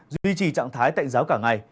duy trì trạng thái tệnh giáo cả ngày